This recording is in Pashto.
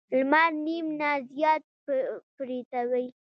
لمر نیم نه زیات پریوتی و.